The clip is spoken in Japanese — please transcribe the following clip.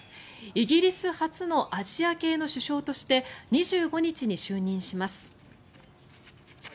イギリス初のアジア系の首相として２５日に就任します。